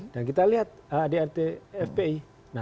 dan kita lihat adart fpi